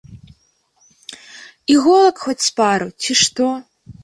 Іголак хоць з пару, ці што?